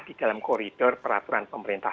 di dalam koridor peraturan pemerintah